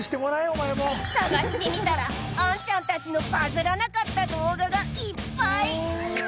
探してみたらアンちゃんたちのバズらなかった動画がいっぱい。